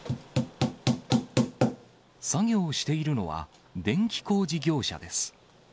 作業をしているのは、電気工事業者です。